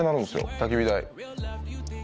たき火台。